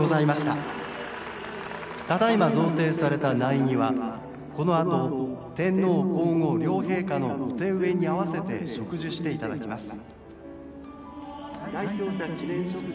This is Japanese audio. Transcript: ただいま贈呈された苗木はこのあと天皇皇后両陛下のお手植えに合わせて植樹していただきます」。